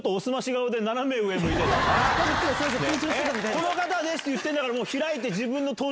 この方です！って言ってんだから開いて。